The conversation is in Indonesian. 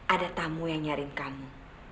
ada tamu yang nyaring kamu